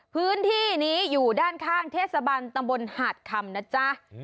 พื้นที่นี้อยู่ด้านข้างเทศบันตำบลหาดคำนะจ๊ะ